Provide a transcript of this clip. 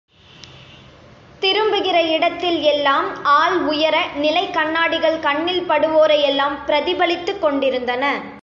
திரும்புகிற இடத்தில் எல்லாம் ஆள் உயர நிலைக் கண்ணாடிகள் கண்ணில் படுவோரையெல்லாம் பிரதிபலித்துக் கொண்டிருந்தன.